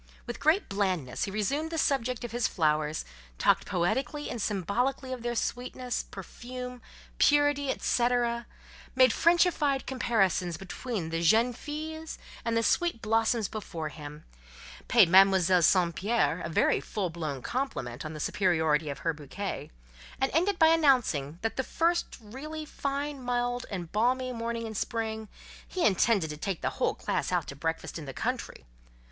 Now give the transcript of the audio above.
With great blandness he resumed the subject of his flowers; talked poetically and symbolically of their sweetness, perfume, purity, etcetera; made Frenchified comparisons between the "jeunes filles" and the sweet blossoms before him; paid Mademoiselle St. Pierre a very full blown compliment on the superiority of her bouquet; and ended by announcing that the first really fine, mild, and balmy morning in spring, he intended to take the whole class out to breakfast in the country.